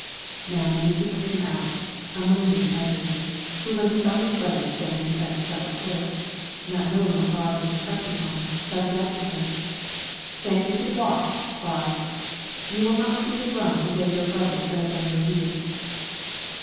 Now many people came out, among them Anders, who when he saw his brother standing beside the saddled horse, not knowing what Baard was reflecting on, shouted out to him: "Thank you for the watch, Baard! You will not see it run the day your brother treads on your heels."